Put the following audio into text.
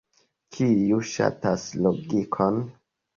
kiu ŝatas logikon